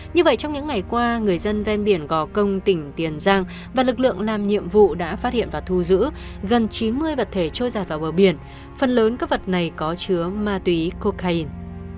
như vậy trong những ngày qua người dân ven biển gò công tỉnh tiền giang và lực lượng làm nhiệm vụ đã phát hiện và thu giữ gần chín mươi vật thể trôi giặt vào bờ biển phần lớn các vật này có chứa ma túy cocaine